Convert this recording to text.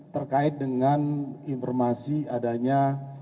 terkait dengan informasi adanya